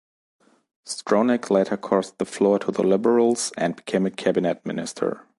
Stronach later crossed the floor to the Liberals and became a cabinet minister.